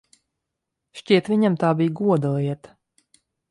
Šķiet, viņam tā bija goda lieta.